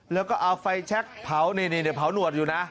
แล้วก็เอาไฟแชคเผานี่เผาหนวดอยู่นะ